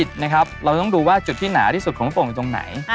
เราต้องดูว่าจุดที่หนาที่สุดของโป่งอยู่ตรงไหน